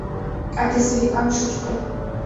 А тый Саликам шыч пу!